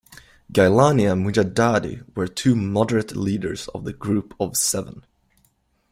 Gailani and Mujaddadi were the two moderate leaders of the group of seven.